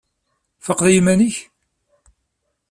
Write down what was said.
Tfaqeḍ i yiman-ik?